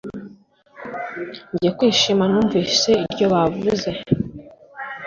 Nje kwishima numvise iryo bavuze